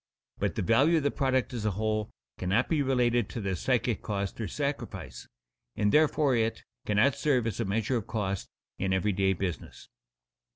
But the value of the product as a whole cannot be related to the psychic cost or sacrifice, and therefore it cannot serve as a measure of cost in every day business.